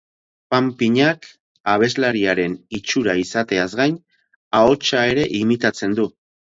Panpinak abeslariaren itxura izateaz gain, ahotsa ere imitatzen du.